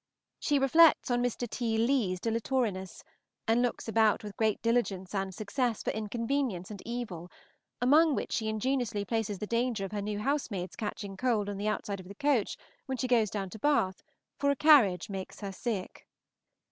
She reflects on Mr. T. Leigh's dilatoriness, and looks about with great diligence and success for inconvenience and evil, among which she ingeniously places the danger of her new housemaids catching cold on the outside of the coach, when she goes down to Bath, for a carriage makes her sick.